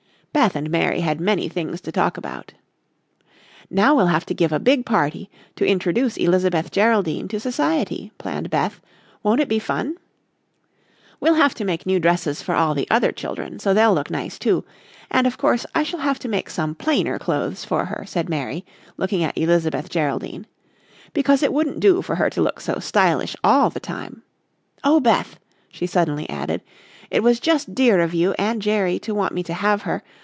Beth and Mary had many things to talk about. "Now we'll have to give a big party to introduce Elizabeth Geraldine to society," planned Beth. "Won't it be fun?" "We'll have to make new dresses for all the other children so they'll look nice too. And, of course, I shall have to make some plainer clothes for her," said Mary, looking at Elizabeth Geraldine, "because it wouldn't do for her to look so stylish all the time. Oh, Beth," she suddenly added, "it was just dear of you and Jerry to want me to have her.